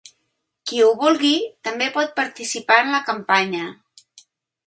Qui ho vulgui, també pot participar en la campanya.